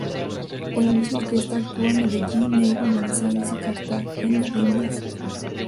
Con la misma orquesta, actuó en Medellín, Neiva, Manizales y Cartagena de Indias.